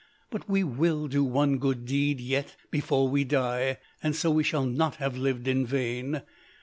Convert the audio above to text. But we will do one good deed, yet, before we die, and so we shall not have lived in vain.